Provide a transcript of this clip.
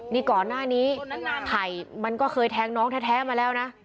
นี่ก่อนหน้านี้ไผ่มันก็เคยแทงน้องแท้มาแล้วนะ